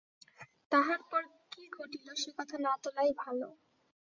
তাহার পর কি ঘটিল, সে কথা না তোলাই ভালো।